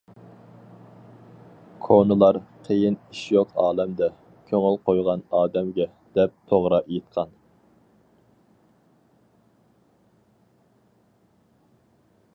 كونىلار‹‹ قىيىن ئىش يوق ئالەمدە، كۆڭۈل قويغان ئادەمگە›› دەپ توغرا ئېيتقان.